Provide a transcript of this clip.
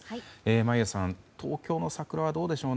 眞家さん、東京の桜はどうでしょう。